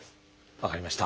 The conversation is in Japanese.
分かりました。